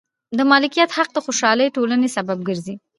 د مالکیت حق د خوشحالې ټولنې سبب ګرځي.